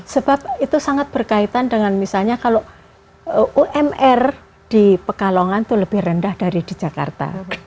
sebab itu sangat berkaitan dengan misalnya kalau umr di pekalongan itu lebih rendah dari di jakarta